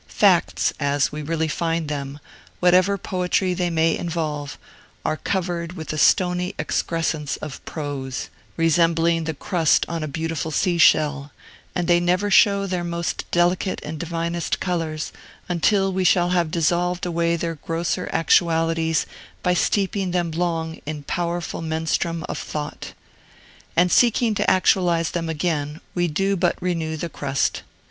Facts, as we really find them, whatever poetry they may involve, are covered with a stony excrescence of prose, resembling the crust on a beautiful sea shell, and they never show their most delicate and divinest colors until we shall have dissolved away their grosser actualities by steeping them long in a powerful menstruum of thought. And seeking to actualize them again, we do but renew the crust.